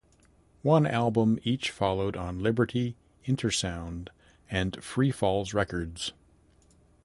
One album each followed on Liberty, Intersound and Free Falls Records.